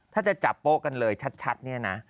ถ้าจะจับโป๊ะกันเลยชัดเนี่ยนะ